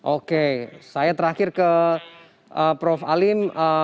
oke saya terakhir ke prof alim